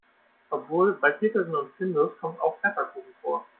Obwohl, bei Petersen und Findus kommt auch Pfefferkuchen vor.